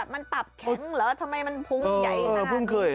มันตับแข็งเหรอทำไมมันพุ่งใหญ่นานนี้